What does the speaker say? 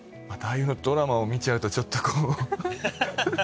またああいうドラマを見ちゃうとちょっとこう。